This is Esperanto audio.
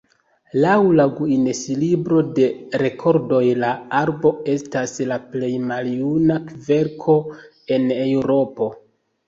Laŭ la Guinness-libro de rekordoj la arbo estas la plej maljuna kverko en Eŭropo.